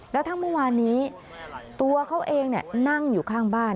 แล้วทั้งเมื่อวานนี้ตัวเขาเองนั่งอยู่ข้างบ้าน